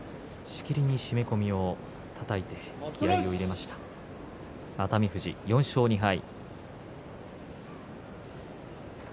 しきりに締め込みをたたいて気合いを入れました熱海富士４勝２敗。